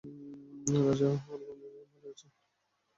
রাজা অরভান্দিল মারা গেছেন!